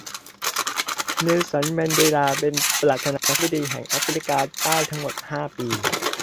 เนลสัน แมนเดลาเป็นประธานาธิบดีแห่งแอฟริกาใต้ทั้งหมดห้าปี